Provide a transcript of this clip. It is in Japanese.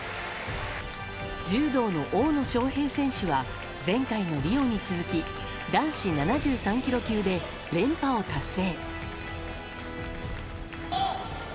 柔道の大野将平選手は前回のリオに続き男子７３ｋｇ級で連覇を達成。